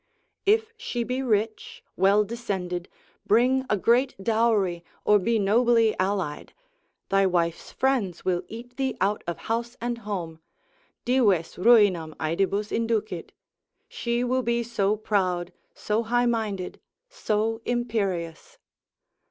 If she be rich, well descended, bring a great dowry, or be nobly allied, thy wife's friends will eat thee out of house and home, dives ruinam aedibus inducit, she will be so proud, so high minded, so imperious.